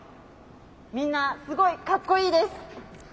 みんなすごいかっこいいです！